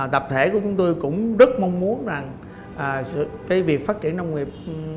tập thể của chúng tôi cũng rất mong muốn rằng cái việc phát triển nông nghiệp